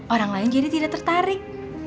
orang lain jadi tidak tertarik